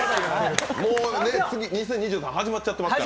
もう次、２０２３始まってますから。